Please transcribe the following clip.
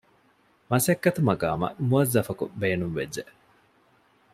މަސައްކަތު މަޤާމަށް މުވައްޒަފަކު ބޭނުންވެއްޖެ